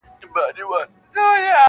• محتسب را سي و انتقام ته -